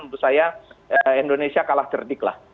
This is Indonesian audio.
menurut saya indonesia kalah cerdik lah